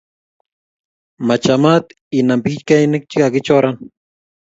Machamat inam pikchainik chigagichoran